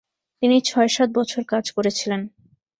তিনি ছয়-সাত বছর কাজ করেছিলেন ।